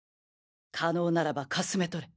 可能ならばかすめ取れ。